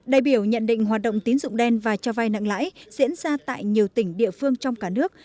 đại biểu nhận định hoạt động tín dụng đen và cho vai nặng lãi diễn ra tại nhiều tỉnh địa phương trong cả nước